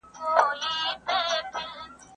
ابن خلدون په تاريخ کي لوی نوم لري.